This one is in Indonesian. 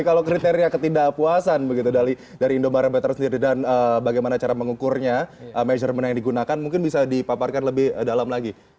kalau kriteria ketidakpuasan begitu dari indomarometer sendiri dan bagaimana cara mengukurnya measurement yang digunakan mungkin bisa dipaparkan lebih dalam lagi